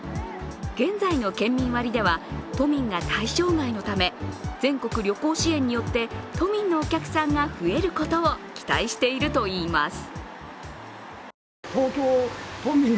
現在の県民割では都民が対象外のため、全国旅行支援によって都民のお客さんが増えることを期待しているといいます。